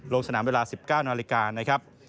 ลงสนามเวลา๑๙นาฬิกานะครับ